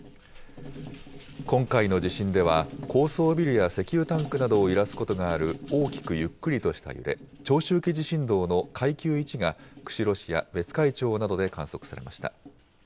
今回の地震では、高層ビルや石油タンクなどを揺らすことがある大きくゆっくりとした揺れ、長周期地震動の階級１が釧路市や別海町などで観測されました。